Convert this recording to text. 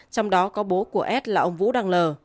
trong đó có bố của s là ông vũ đăng lờ